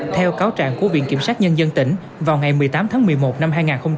theo cáo trạng của viện kiểm sát nhân dân tỉnh vào ngày một mươi tám tháng một mươi một năm hai nghìn một mươi ba